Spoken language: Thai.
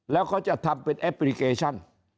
แล้วเขาจะทำเป็นแอปพลิเคชัน